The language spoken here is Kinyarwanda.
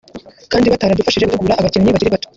kandi bataradufashije gutegura abakinnyi bakiri bato